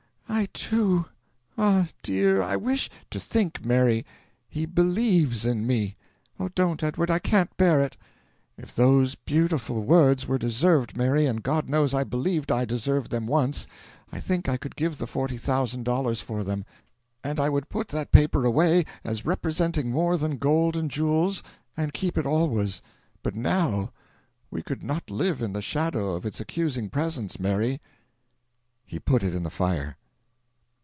"I, too. Ah, dear, I wish " "To think, Mary he BELIEVES in me." "Oh, don't, Edward I can't bear it." "If those beautiful words were deserved, Mary and God knows I believed I deserved them once I think I could give the forty thousand dollars for them. And I would put that paper away, as representing more than gold and jewels, and keep it always. But now We could not live in the shadow of its accusing presence, Mary." He put it in the fire.